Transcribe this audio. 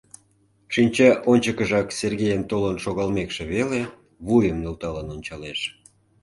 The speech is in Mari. Шинча ончыкыжак Сергейын толын шогалмекше веле, вуйым нӧлталын ончалеш.